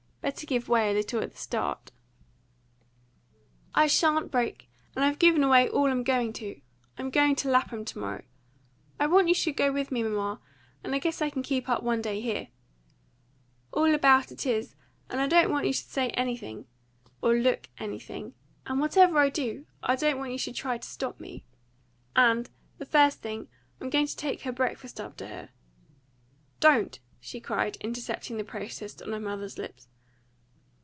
Better give way a little at the start." "I shan't break, and I've given way all I'm going to. I'm going to Lapham to morrow, I want you should go with me, mamma, and I guess I can keep up one day here. All about it is, I don't want you should say anything, or LOOK anything. And, whatever I do, I don't want you should try to stop me. And, the first thing, I'm going to take her breakfast up to her. Don't!" she cried, intercepting the protest on her mother's lips.